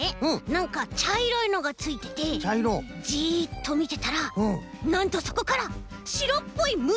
なんかちゃいろいのがついててジッとみてたらなんとそこからしろっぽいむしがでてきたんだよね！